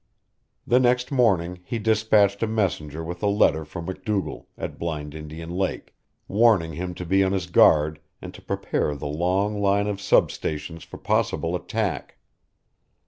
The next morning he despatched a messenger with a letter for MacDougall, at Blind Indian Lake, warning him to be on his guard and to prepare the long line of sub stations for possible attack.